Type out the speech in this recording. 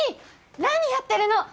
何やってるの！